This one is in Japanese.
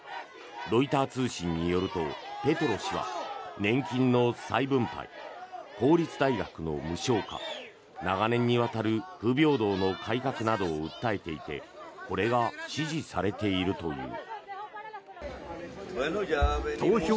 ロイター通信によるとペトロ氏は年金の再分配、公立大学の無償化長年にわたる不平等の改革などを訴えていてこれが支持されているという。